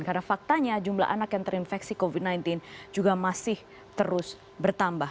karena faktanya jumlah anak yang terinfeksi covid sembilan belas juga masih terus bertambah